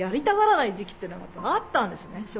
たがらない時期っていうのがやっぱあったんですね。